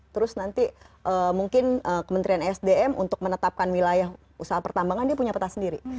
terus nanti mungkin kementerian sdm untuk menetapkan wilayah usaha pertambangan dia punya peta sendiri